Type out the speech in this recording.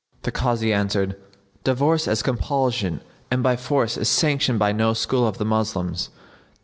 The Kazi, answered, "Divorce as a compulsion and by force is sanctioned by no school of the Moslems."